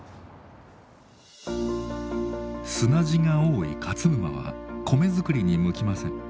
砂地が多い勝沼は米作りに向きません。